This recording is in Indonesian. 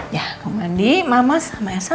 ya aku mandi mama sama elsa